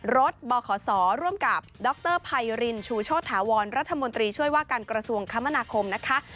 รถบขร่วมกับดรพัยรินชูโชธาวรรถมช่วยว่ากันกระทรวงคมนาคมนะคะ